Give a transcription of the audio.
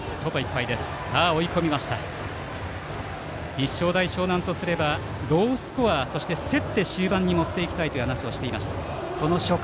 立正大淞南としてはロースコアで競って終盤に持っていきたいという話をしていました。